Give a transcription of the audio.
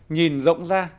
nhìn rộng ra